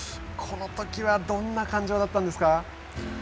このときはどんな感情だったんですか。